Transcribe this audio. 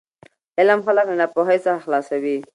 علم خلک له ناپوهي څخه خلاصوي.